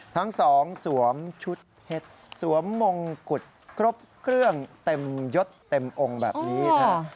ทั้งสองสวมชุดเพชรสวมมงกุฎครบเครื่องเต็มยดเต็มองค์แบบนี้นะฮะ